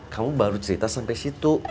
kamu baru cerita sampai situ